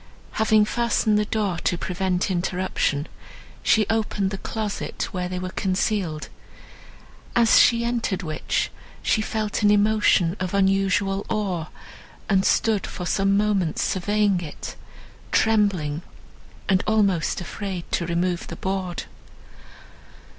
Having fastened the door to prevent interruption, she opened the closet where they were concealed, as she entered which, she felt an emotion of unusual awe, and stood for some moments surveying it, trembling, and almost afraid to remove the board.